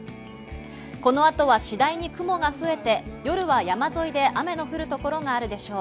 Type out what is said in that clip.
この後は次第に雲が増えて、夜は山沿いで雨の降る所があるでしょう。